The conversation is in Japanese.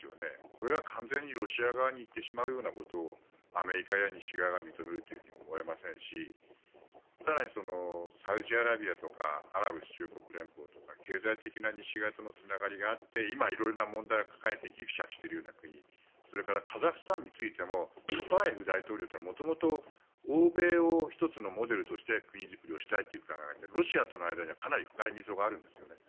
これが完全にロシア側に行ってしまうようなことをアメリカや西側が認めるとは思えませんし更に、サウジアラビアとかアラブ首長国連邦とか経済的な西側とのつながりがあって今、色々な問題を抱えてギクシャクしているような国それからカザフスタンについてもトカエフ大統領というのは元々、欧米を１つのモデルとして国づくりをしたいという考えでロシアとの間にはかなり深い溝があるんですね。